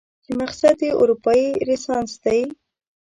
چې مقصد دې اروپايي رنسانس دی؟